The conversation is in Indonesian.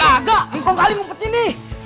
gak gak engkau kali mumpet ini